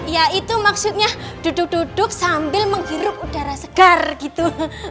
ya itu maksudnya duduk duduk sambil menghirup udara segar gitu